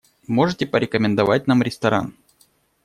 Можете порекомендовать нам ресторан?